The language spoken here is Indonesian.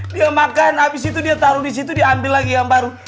dia makan abis itu dia taruh disitu diambil lagi yang baru